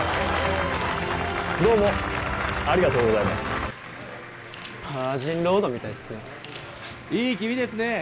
どうもありがとうございますバージンロードみたいっすねいい気味ですねえ